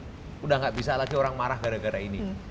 sudah tidak bisa lagi orang marah gara gara ini